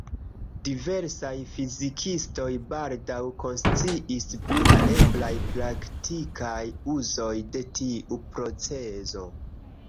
Diversaj fizikistoj baldaŭ konsciis pri la eblaj praktikaj uzoj de tiu procezo.